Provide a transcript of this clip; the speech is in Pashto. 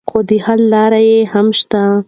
خو د حل لارې یې هم شته.